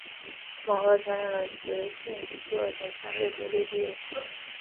同俄承认了十姓部落的相对独立地位。